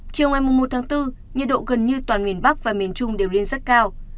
chiều ngày một tháng bốn nhiệt độ gần như toàn miền bắc và miền trung đều lên rất cao